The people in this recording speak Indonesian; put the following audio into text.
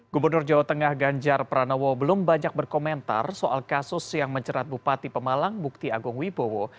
gubernur jawa tengah ganjar pranowo belum banyak berkomentar soal kasus yang mencerat bupati pemalang bukti agung wibowo